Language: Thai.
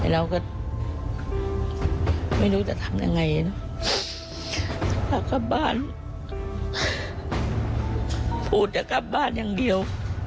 เราก็จะทำยังไงนะพากลับบ้านพูดจะกลับบ้านอย่างเดียว